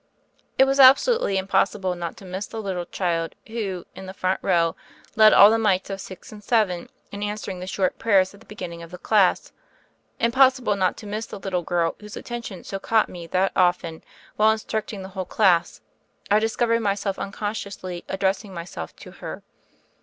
It was absolutely impossible not to miss the lit tle child, who, in the front row, led all the mites of six and seven in answering the short prayers at the beginning of the class ; impossible not to miss the little girl whose attention so caught me that often, while instructing the whole class, I discovered myself unconsciously addressing my self to her.